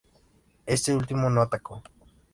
Este último no atacó.